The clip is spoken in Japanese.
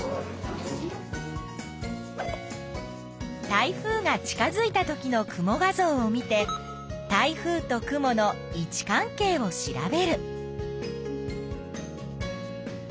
台風が近づいたときの雲画ぞうを見て台風と雲の位置関係を調べる。